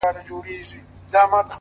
• په کټ کټ به په خندا سي,